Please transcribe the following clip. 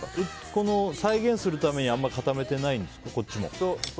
これは再現するためにあんまり固めてないんですか？